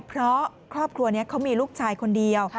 เพราะครอบครัวนี้เขามีลูกชายคนเดียว